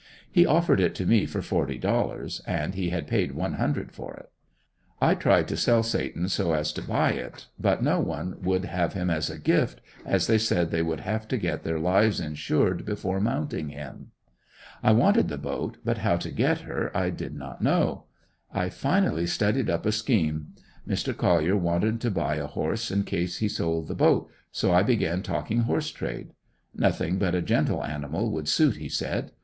He offered it to me for forty dollars and he had paid one hundred for it. I tried to sell Satan so as to buy it, but no one would have him as a gift, as they said they would have to get their lives insured before mounting him. I wanted the boat, but how to get her I did not know. I finally studied up a scheme: Mr. Collier wanted to buy a horse in case he sold the boat, so I began talking horse trade. Nothing but a gentle animal would suit he said.